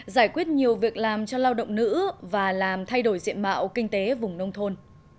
giải quyết nhiều việc làm cho lao động nữ và làm thay đổi diện mạo kinh tế vùng nông thôn